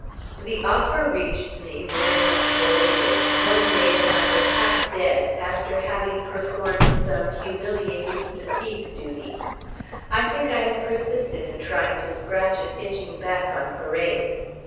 "The offer reached me, very much belated, one day when I was half dead, after having performed some humiliating fatigue duty. I think I had persisted in trying to scratch an itching back on parade.